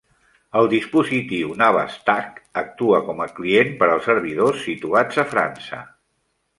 El dispositiu Nabaztag actua com a client per als servidors situats a França.